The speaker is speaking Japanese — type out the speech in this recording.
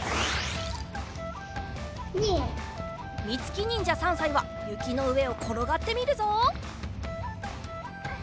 みつきにんじゃ３さいはゆきのうえをころがってみるぞ。